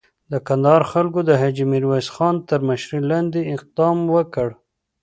د کندهار خلکو د حاجي میرویس خان تر مشري لاندې اقدام وکړ.